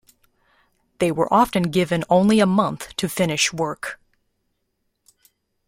They were often given only a month to finish work.